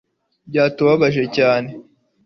Byatubabaje cyane